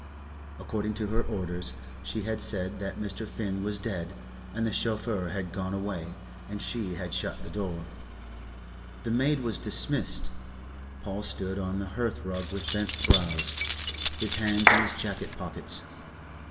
According to her orders, she had said that Mr. Finn was dead, and the chauffeur had gone away and she had shut the door. The maid was dismissed. Paul stood on the hearthrug with bent brows, his hands in his jacket pockets.